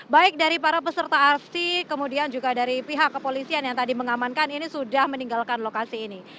baik dari para peserta aksi kemudian juga dari pihak kepolisian yang tadi mengamankan ini sudah meninggalkan lokasi ini